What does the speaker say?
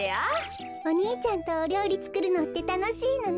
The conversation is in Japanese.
お兄ちゃんとおりょうりつくるのってたのしいのね。